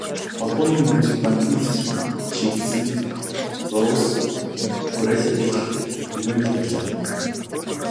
Холбооны нөөцийн банкны эсрэг чиглэсэн зурвас, уриалга их түгээмэл байлаа.